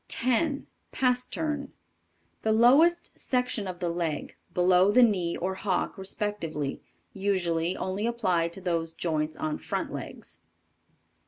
10. PASTERN. The lowest section of the leg, below the knee or hock respectively, usually only applied to those joints on front legs.